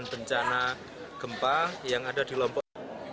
dan bencana gempa yang ada di lombok